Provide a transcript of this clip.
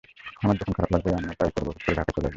আমার যখন খারাপ লাগবে, আমিও তা-ই করব, হুট করে ঢাকায় চলে আসব।